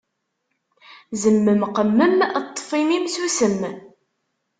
Zemmem qemmem, ṭṭef immi-m sussem.